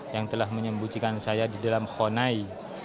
yang telah menyembunyikan saya di dalam khonai